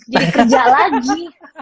jadi kerja lagi